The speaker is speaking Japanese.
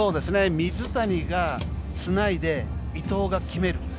水谷がつないで伊藤が決める。